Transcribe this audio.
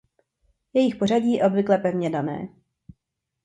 Jejich pořadí je obvykle pevně dané.